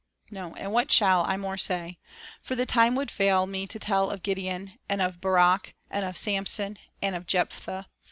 1 "And what shall I more say? for the time would fail me to tell of Gideon, and of Barak, and of Samson, and of Jephthah